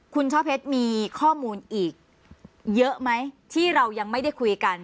คุณช่อเพชรมีข้อมูลอีกเยอะไหมที่เรายังไม่ได้คุยกัน